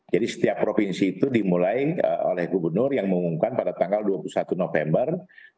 jadi setiap provinsi itu dimulai oleh gubernur yang mengumumkan pada tanggal dua puluh satu november dua ribu dua puluh dua